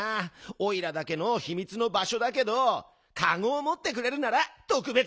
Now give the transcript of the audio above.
おいらだけのひみつのばしょだけどかごをもってくれるならとくべつにオーケーだぜ！